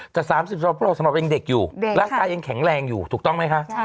แต่๓๒พวกเราสำหรับยังเด็กอยู่ร่างกายยังแข็งแรงอยู่ถูกต้องไหมคะ